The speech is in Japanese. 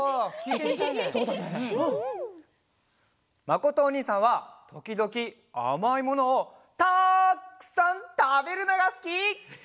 まことおにいさんはときどきあまいものをたくさんたべるのがすき！